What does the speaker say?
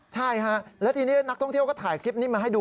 ใช่ฮะแล้วทีนี้นักท่องเที่ยวก็ถ่ายคลิปนี้มาให้ดู